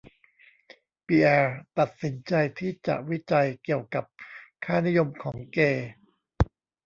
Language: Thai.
ปิแอร์ตัดสินใจที่จะวิจัยเกี่ยวกับค่านิยมของเกย์